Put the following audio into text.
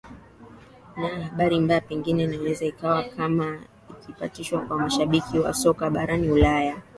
naa habari mbaya pengine inaweza ikawa kama ikipitishwa kwa mashabiki wa soka barani ulaya